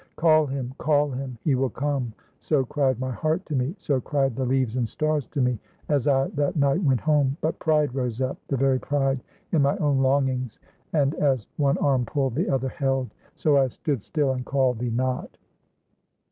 Call him! Call him! He will come! so cried my heart to me; so cried the leaves and stars to me, as I that night went home. But pride rose up the very pride in my own longings, and as one arm pulled, the other held. So I stood still, and called thee not.